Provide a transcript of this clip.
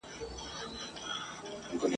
لوند ګرېوان مي دی راوړی زمانې چي هېر مي نه کې ..